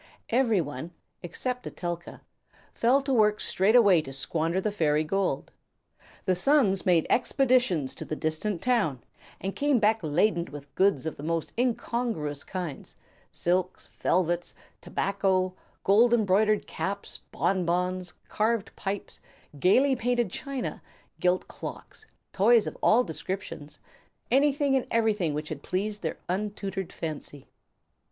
Every one, except Etelka, fell to work straightway to squander the fairy gold. The sons made expeditions to the distant town, and came back laden with goods of the most incongruous kinds, silks, velvets, tobacco, gold embroidered caps, bonbons, carved pipes, gayly painted china, gilt clocks, toys of all descriptions; anything and everything which had pleased their untutored fancy.